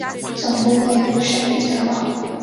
总部位于圣彼得堡。